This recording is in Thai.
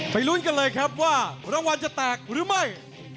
ลุ้นกันเลยครับว่ารางวัลจะแตกหรือไม่